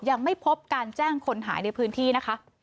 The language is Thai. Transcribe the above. ยังไม่พบการแจ้งคนหายในพื้นที่นะคะ